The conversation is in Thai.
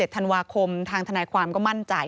ธันวาคมทางทนายความก็มั่นใจ